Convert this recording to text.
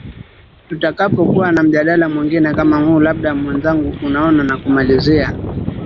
tutakapo kuwa na mjadala mwingine kama huu labda mwenzangu unaona nakumalizia